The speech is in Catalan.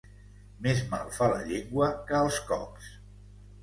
Més mal fa la llengua que els cops.